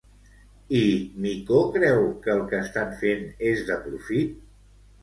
I Micó creu que el que estan fent és de profit?